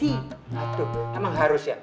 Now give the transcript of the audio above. aduh emang harus ya